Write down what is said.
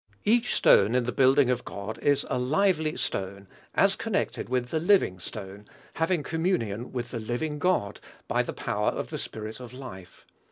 Each stone in the building of God is a "lively stone," as connected with the "living stone," having communion with the "living God," by the power of "the Spirit of life."